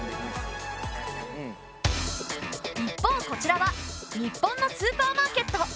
一方こちらは日本のスーパーマーケット。